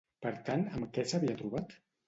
Per tant, amb què s'havia trobat?